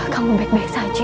kamu baik baik saja